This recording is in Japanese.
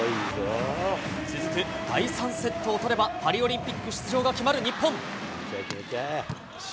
続く第３セットを取れば、パリオリンピック出場が決まる日本。